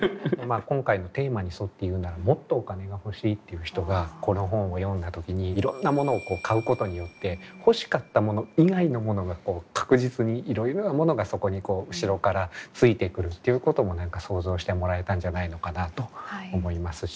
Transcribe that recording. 今回のテーマに沿って言うならもっとお金が欲しいっていう人がこの本を読んだ時にいろんな物を買うことによって欲しかった物以外のものが確実にいろいろなものがそこに後ろから付いて来るっていうことも何か想像してもらえたんじゃないのかなと思いますしね。